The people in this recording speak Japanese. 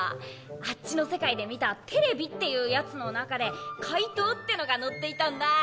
あっちの世界で見たテレビっていうヤツの中で「かいとう」ってのが乗っていたんだ！